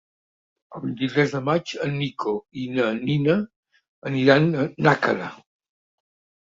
El vint-i-tres de maig en Nico i na Nina aniran a Nàquera.